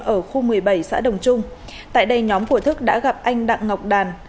ở khu một mươi bảy xã đồng trung tại đây nhóm của thức đã gặp anh đặng ngọc đàn